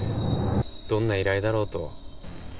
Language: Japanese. どんな依頼だろうと。